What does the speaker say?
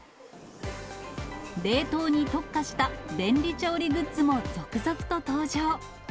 冷凍に特化した便利調理グッズも続々と登場。